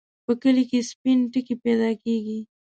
په کلي کې سپين ټکی پیدا کېږي.